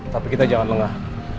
tapi kita jangan lengah